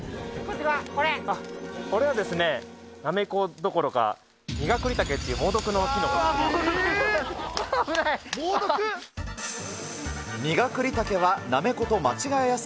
これはですね、ナメコどころか、ニガクリタケっていう猛毒のキノコです。